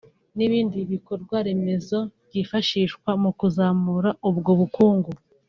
n’ibindi bikorwaremezo byifashishwa mu kuzamura ubwo bukungu